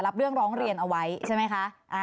รับเรื่องร้องเรียนเอาไว้ใช่ไหมคะ